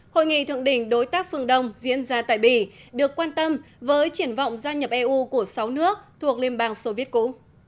hội nghị thượng đỉnh đối tác phương đông diễn ra tại bỉ được quan tâm với triển vọng gia nhập eu của sáu nước thuộc liên bang soviet cũ